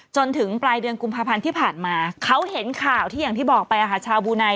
จนถึงปลายเดือนกุมภาพันธ์ที่ผ่านมาเขาเห็นข่าวที่อย่างที่บอกไปชาวบูไน